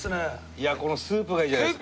いやこのスープがいいじゃないですか。